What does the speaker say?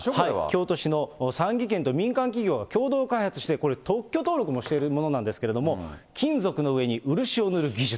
京都市の産技研と民間企業が共同開発してこれ、特許登録もしているものなんですけど、金属の上に漆を塗る技術。